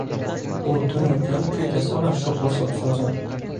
U tunu kun kuyga solar shu qo’shiq so’zin: